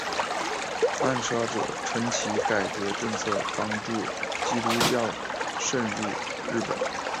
暗杀者称其改革政策帮助基督教渗入日本。